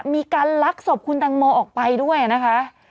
มีการลักศพคุณตังโมออกไปด้วยนะคะ